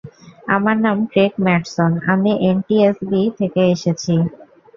আমার নাম Craig Matson, আমি এনটিএসবি থেকে এসেছি।